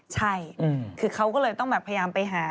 ใช่คือเขาก็เลยต้องแบบพยายามไปหา